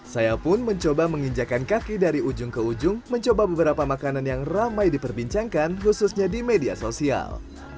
saya pun mencoba menginjakan kaki dari ujung ke ujung mencoba beberapa makanan yang ramai diperbincangkan khususnya di media sosial